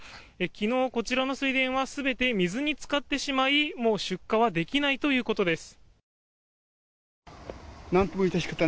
昨日、こちらの水田は全て水に浸かってしまいもう出荷はできないということです。